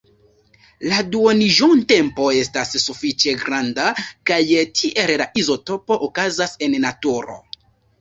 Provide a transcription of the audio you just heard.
La duoniĝotempo estas sufiĉe granda kaj tiel la izotopo okazas en naturo.